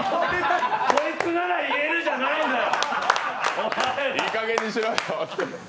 こいつなら言えるじゃないのよ！